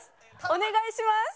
お願いします！